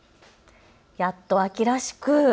やっと秋らしく。